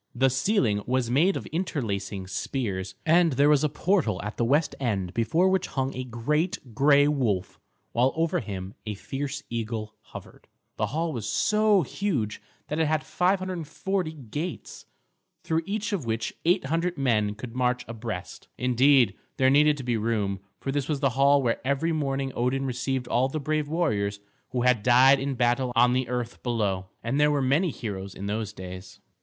The ceiling was made of interlacing spears, and there was a portal at the west end before which hung a great gray wolf, while over him a fierce eagle hovered. The hall was so huge that it had 540 gates, through each of which 800 men could march abreast. Indeed, there needed to be room, for this was the hall where every morning Odin received all the brave warriors who had died in battle on the earth below; and there were many heroes in those days.